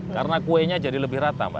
karena kuenya jadi lebih rata mbak